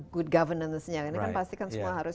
good governance nya ini kan pasti kan semua harus